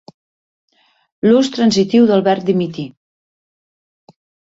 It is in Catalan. L'ús transitiu del verb "dimitir".